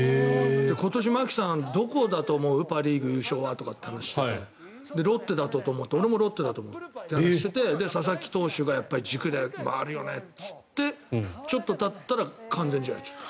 今年、槙原さんどこだと思うパ・リーグ優勝はって話をしていてロッテだと思うって俺もロッテだと思うって話をしていて佐々木投手が軸で回るよねって言ってちょっとたったら完全試合をやっちゃった。